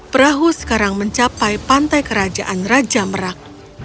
perahu sekarang mencapai pantai kerajaan raja merak